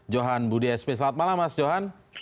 johan budi sp selamat malam mas johan